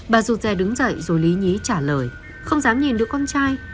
bà rụt dè đứng dậy rồi lý nhí trả lời không dám nhìn đứa con trai